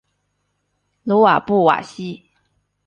鲁瓦布瓦西。